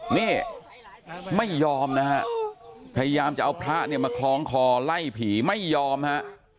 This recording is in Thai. นี่ไม่ยอมนะฮะพยายามจะเอาพระเนี่ยมาคล้องคอไล่ผีไม่ยอมฮะ